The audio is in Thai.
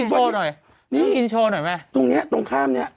นี่ถ้าไม่ต้องกินโชว์หน่อยตรงนี้ตรงข้ามนี้